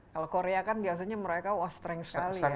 kalau korea kan biasanya mereka wasrength sekali ya